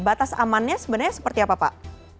batas amannya sebenarnya seperti apa pak